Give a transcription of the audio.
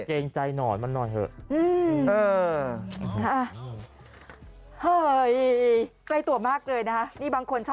เกไกรงไต่ตัวมากเลยนะ